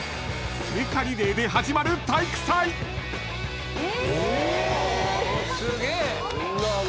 ［聖火リレーで始まる体育祭！］え！